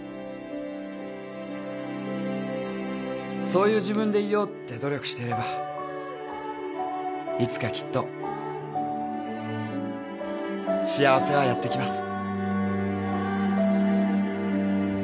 そういう自分でいようって努力してればいつかきっと幸せはやってきます。